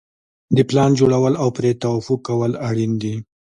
د پلان جوړول او پرې توافق کول اړین دي.